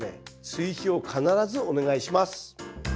追肥を必ずお願いします。